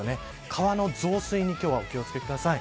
川の増水に今日はお気を付けください。